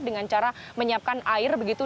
dengan cara menyiapkan air begitu